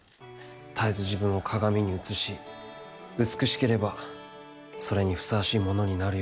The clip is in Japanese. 「たえず自分を鏡に映し美しければそれにふさわしい者になるように。